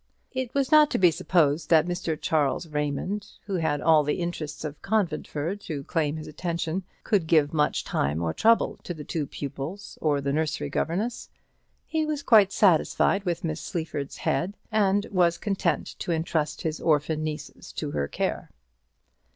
It was not to be supposed that Mr. Charles Raymond, who had all the interests of Conventford to claim his attention, could give much time or trouble to the two pupils or the nursery governess. He was quite satisfied with Miss Sleaford's head, and was content to entrust his orphan nieces to her care.